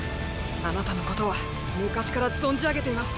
あなたのことは昔から存じ上げています。